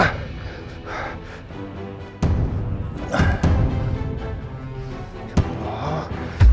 pak bangun pak